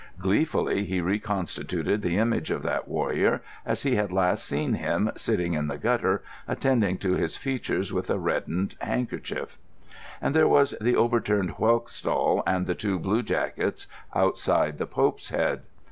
Gleefully he reconstituted the image of that warrior as he had last seen him sitting in the gutter attending to his features with a reddened handkerchief. And there was the overturned whelk stall and the two bluejackets outside the "Pope's Head."